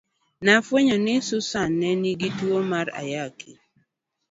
Nofwenyo ni Susan ne nigi tuo mar Ayaki.